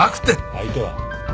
相手は？